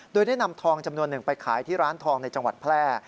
โดยได้นำทองจำนวนหนึ่งไปขายที่ร้านทองในจังหวัดแพร่